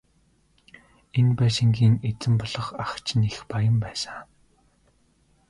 Энэ байшингийн эзэн болох ах чинь их баян байсан.